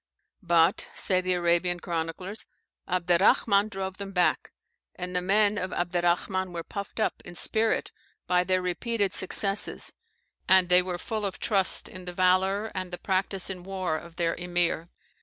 "But," say the Arabian chroniclers, "Abderrahman drove them back; and the men of Abderrahman were puffed up in spirit by their repeated successes, and they were full of trust in the valour and the practice in war of their Emir.